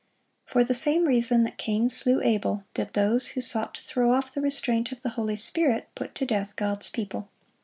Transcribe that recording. For the same reason that Cain slew Abel, did those who sought to throw off the restraint of the Holy Spirit, put to death God's people.